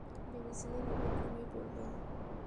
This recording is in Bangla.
ভেবেছিলেন এবার ঘুমিয়ে পড়বেন।